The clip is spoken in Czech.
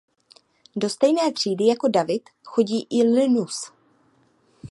Do stejné třídy jako David chodí i Linus.